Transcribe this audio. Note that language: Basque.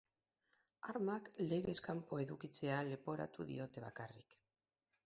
Armak legez kanpo edukitzea leporatu diote bakarrik.